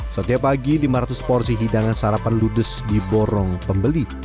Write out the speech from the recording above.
setiap pagi lima ratus porsi hidangan sarapan ludes di borong pembeli